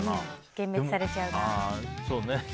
幻滅されちゃうな。